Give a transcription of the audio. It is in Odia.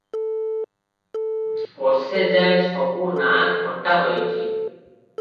କୋଶେଯାଏ ସବୁ ନାଆ ଖଟା ହୋଇଛି ।